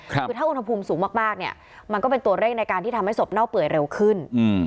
คือถ้าอุณหภูมิสูงมากเนี่ยมันก็เป็นตัวเร่งในการที่ทำให้ศพเน่าเปื่อยเร็วขึ้น